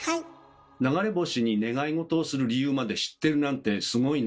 流れ星に願いごとをする理由まで知ってるなんてすごいね。